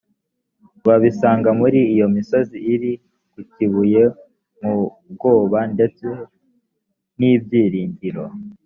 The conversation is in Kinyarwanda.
wabisanga muri iyo misozi iri ku kibuye mu bwoba ndetse n ibyiringiro